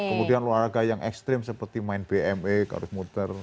kemudian olahraga yang ekstrim seperti main bme karus muter